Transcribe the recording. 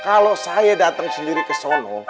kalo saya dateng sendiri ke sono